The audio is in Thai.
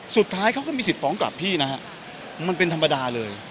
สุดท้ายเขาก็มีสิทธิฟ้องกลับพี่นะฮะมันเป็นธรรมดาเลย